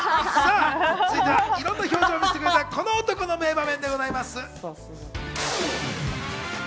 続いては、いろんな表情を見せてくれた、この男の名場面です。